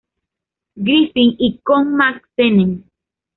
Griffith y con Mack Sennett.